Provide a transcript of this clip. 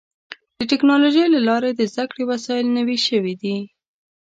د ټکنالوجۍ له لارې د زدهکړې وسایل نوي شوي دي.